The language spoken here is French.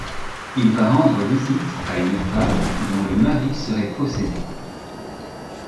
Il va rendre visite à une femme dont le mari serait possédé.